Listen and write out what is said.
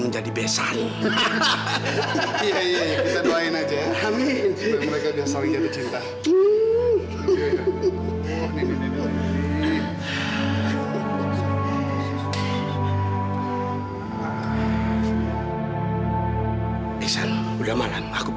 mas apa tidak cukup